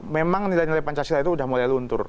memang nilai nilai pancasila itu sudah mulai luntur